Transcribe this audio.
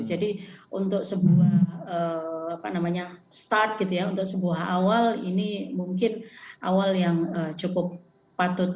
jadi untuk sebuah start gitu ya untuk sebuah awal ini mungkin awal yang cukup patut